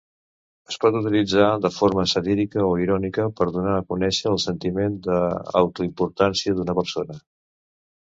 Es pot utilitzar de forma satírica o irònica per donar a conèixer el sentiment d'auto-importància d'una persona.